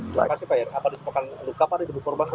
terima kasih pak apa disempatkan luka pada jenis korban